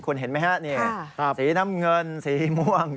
คุณเห็นไหมฮะนี่สีน้ำเงินสีม่วง